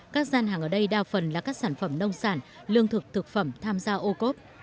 các gian hàng ở đây đa phần là các sản phẩm nông sản lương thực thực phẩm tham gia ô cốp